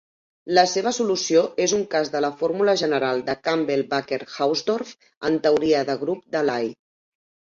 La seva solució és un cas de la formula general de Campbell-Baker-Hausdorff en teoria de grup de Lie.